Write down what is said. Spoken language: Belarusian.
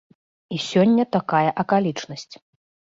І сёння такая акалічнасць.